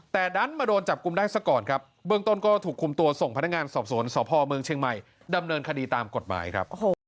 แต่ดันมาโดนจับกลุ่มได้ซะก่อนครับเบื้องต้นก็ถูกคุมตัวส่งพนักงานสอบสวนสพเมืองเชียงใหม่ดำเนินคดีตามกฎหมายครับ